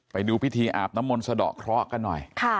ไปดูพิธีอาบน้ำมนต์สะดอกเคราะห์กันหน่อย